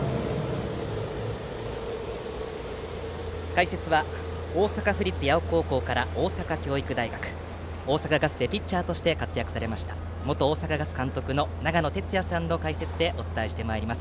解説は、大阪府立八尾高校から大阪教育大学大阪ガスでピッチャーとして活躍されました元大阪ガス監督の長野哲也さんの解説でお伝えしてまいります。